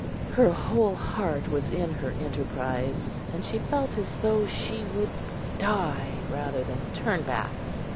Her whole heart was in her enterprise, and she felt as though she would die rather than turn back.